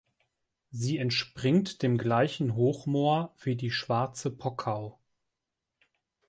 Sie entspringt dem gleichen Hochmoor wie die Schwarze Pockau.